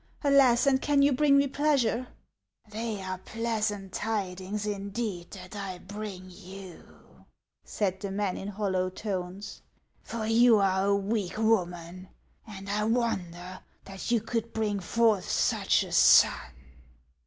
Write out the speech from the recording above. Alas ! and can you bring me pleasure ?" "They are pleasant tidings indeed that I bring you," said the man in hollow tones ;" for you are a weak woman, and I wonder that you could bring forth such a sou.